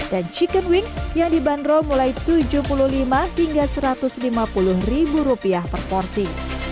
dan chicken wings yang dibanderol mulai tujuh puluh lima hingga satu ratus lima puluh ribu rupiah per porsi